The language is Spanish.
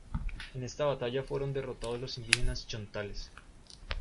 En esta batalla fueron derrotados los indígenas Chontales.